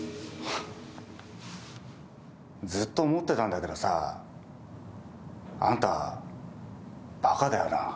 ずっと思ってたんだけどさ、あんたバカだよな。